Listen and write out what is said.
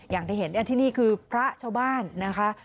อย่างที่เห็นที่นี่คือพระชาวบ้านนะคะ